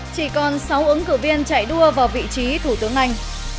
chỉ còn sáu ứng cử viên chạy đua vào vị trí thủ tướng anh